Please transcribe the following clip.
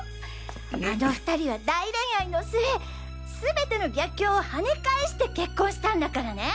あの２人は大恋愛の末すべての逆境を跳ね返して結婚したんだからね！